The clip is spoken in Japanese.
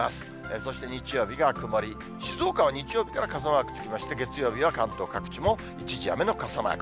そして日曜日が曇り、静岡は日曜日から傘マークつきまして、月曜日は関東各地も一時雨の傘マーク。